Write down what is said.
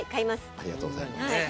ありがとうございます。